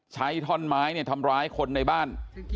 ใช้ถอนไม้ทำร้ายคนในบ้าน